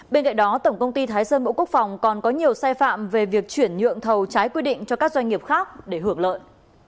bên cạnh đó tổng công ty thái sơn bộ quốc phòng còn có nhiều sai phạm về việc chuyển nhượng thầu trái quy định cho các doanh nghiệp khác để hưởng lợi